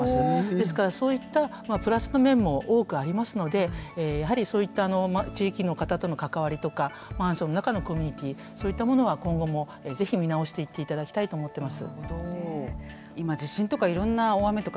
ですからそういったプラスの面も多くありますのでやはりそういった地域の方との関わりとかマンションの中のコミュニティそういったものは今後も是非見直していっていただきたいと思ってます。